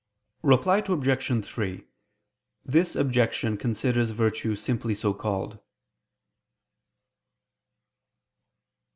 Reply Obj. 3: This objection considers virtue simply so called.